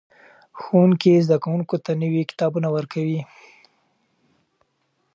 ښوونکي زده کوونکو ته نوي کتابونه ورکوي.